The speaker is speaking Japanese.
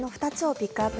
ピックアップ